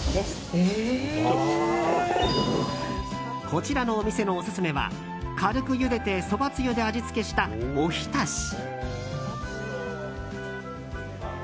こちらのお店のオススメは軽くゆでてそばつゆで味付けしたおひたし。